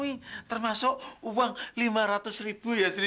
sampai nanti maksar masuk uang lima ratus ribu ya sri ya